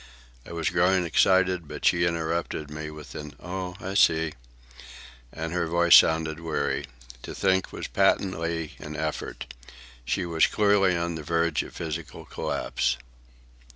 I was growing excited, but she interrupted me with an "Oh, I see," and her voice sounded weary. To think was patently an effort. She was clearly on the verge of physical collapse.